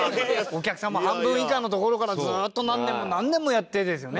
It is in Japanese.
お客さんも半分以下のところからずっと何年も何年もやってですよね。